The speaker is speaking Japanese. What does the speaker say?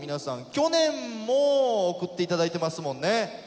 去年も送っていただいてますもんね。